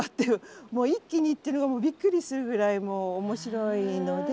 もう一気にいってるのがびっくりするぐらいもう面白いので。